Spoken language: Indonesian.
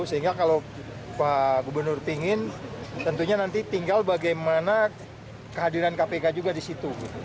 sehingga kalau pak gubernur ingin tentunya nanti tinggal bagaimana kehadiran kpk juga di situ